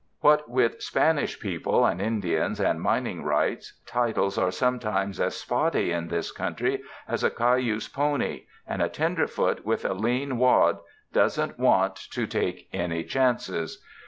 What with Spanish people and Indians and mining rights, titles are sometimes as spotty in this country as a cayuse pony, and a tenderfoot with a lean wad doesn't want 253 UNDER THE SKY IN CALIFORNIA to take any chances.